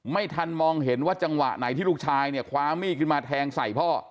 ไม่ทันมองเห็นว่าจังหวะไหนที่ลูกชายเนี่ยคว้ามีดขึ้นมาแทงใส่พ่อ